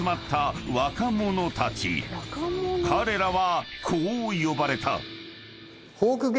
［彼らはこう呼ばれた］